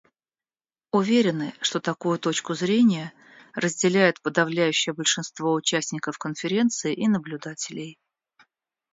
Уверены, что такую точку зрения разделяет подавляющее большинство участников Конференции и наблюдателей.